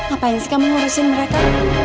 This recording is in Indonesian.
apa yang sekarang harusin mereka